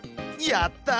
やった！